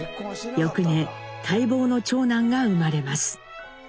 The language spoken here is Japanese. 翌年待望の長男が生まれます。